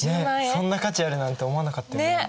そんな価値あるなんて思わなかったね。ね？